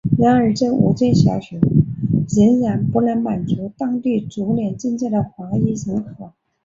然而这五间小学仍然不能满足当地逐年增加的华裔人口。